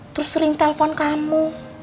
terus sering telpon kamu